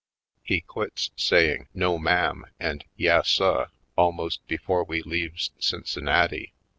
He quits saying "No, ma'am," and *'Yas, suh," almost before we leaves Cin cinnati.